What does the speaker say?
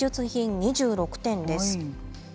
２６点です。